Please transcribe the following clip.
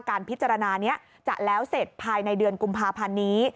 การพิจารณานี้จะแล้วเสร็จภายในเดือนกุมภาพันธ์นี้